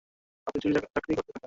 আপনি চুরি চাকারি করতে থাকলেন।